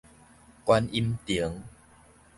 觀音亭